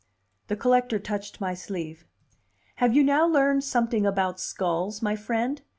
The collector touched my sleeve. "Have you now learned someding about skulls, my friend?